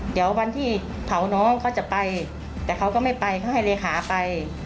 เดี๋ยววันที่เผาน้องเขาจะไปแต่เขาก็ไม่ไปเขาให้เลขาไป